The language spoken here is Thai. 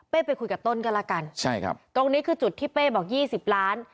ไปคุยกับต้นก็แล้วกันใช่ครับตรงนี้คือจุดที่เป้บอกยี่สิบล้าน